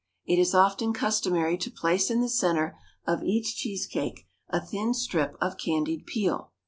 It is often customary to place in the centre of each cheese cake a thin strip of candied peel.